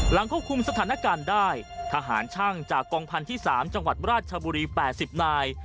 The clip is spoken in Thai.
ควบคุมสถานการณ์ได้ทหารช่างจากกองพันธุ์ที่๓จังหวัดราชบุรี๘๐นาย